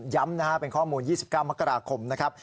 ย้ำนะครับเป็นข้อมูล๒๙มกราคมนะครับ